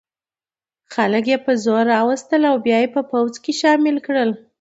خلک په زور را وستل او بیا یې په پوځ کې شامل کړل.